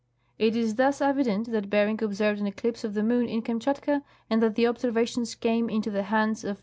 It is thus evident that Bering observed an eclipse of the moon in Kam shatka, and that the observations came into the hands of M.